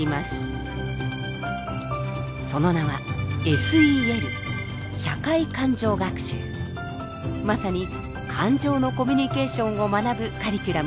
その名はまさに感情のコミュニケーションを学ぶカリキュラムです。